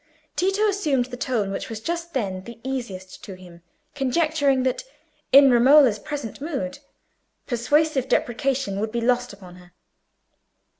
Tito assumed the tone which was just then the easiest to him, conjecturing that in Romola's present mood persuasive deprecation would be lost upon her.